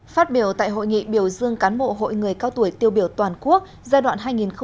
phát biểu tại hội nghị biểu dương cán bộ hội người cao tuổi tiêu biểu toàn quốc giai đoạn hai nghìn một mươi sáu hai nghìn hai mươi năm